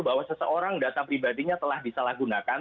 bahwa seseorang data pribadinya telah disalahgunakan